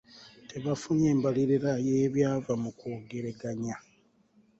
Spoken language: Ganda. Tebafunye mbalirira y'ebyava mu kwogeraganya.